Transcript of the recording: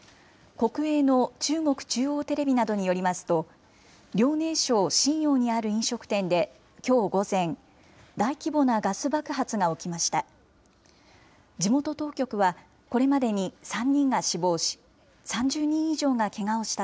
国営の中国中央テレビなどによりますと、遼寧省瀋陽にある飲食店できょう午前、大規模なガス爆発が起きました。